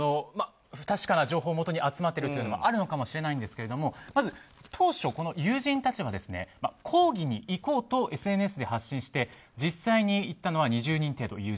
不確かな情報をもとに集まっているということもあるのかもしれないんですがまず当初、この友人たちは抗議に行こうとＳＮＳで発信して実際に行ったのは２０人程度。